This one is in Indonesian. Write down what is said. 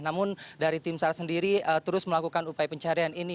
namun dari tim sar sendiri terus melakukan upaya pencarian ini